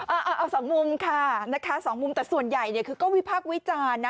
เอาสองมุมค่ะนะคะสองมุมแต่ส่วนใหญ่เนี่ยคือก็วิพากษ์วิจารณ์นะ